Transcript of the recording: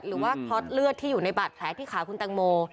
หรือว่าคอสเลือดที่อยู่ในบาดแผลที่ขาคุณตังโม